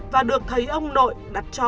và được thấy ông nội đặt cho